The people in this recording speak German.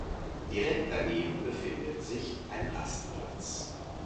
Direkt daneben befindet sich ein Rastplatz.